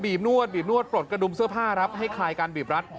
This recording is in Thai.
บนวดบีบนวดปลดกระดุมเสื้อผ้าครับให้คลายการบีบรัด